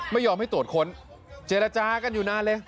ไม่ยอมให้ตรวจค้นเจรจากันอยู่นานเลย